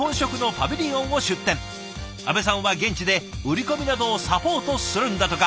阿部さんは現地で売り込みなどをサポートするんだとか。